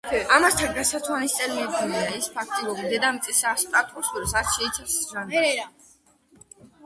ამასთან გასათვალისწინებელია ის ფაქტორი, რომ დედამიწის ატმოსფერო არ შეიცავდა ჟანგბადს.